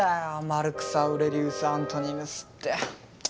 マルクスアウレリウス・アントニヌスって。